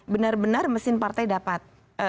benar benar mesin partai dapat